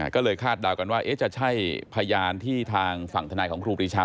อ่าก็เลยฆ่าดารกันว่าเอ๊ะจะใช่พยานที่ทางฝั่งทนายของครูปรีชา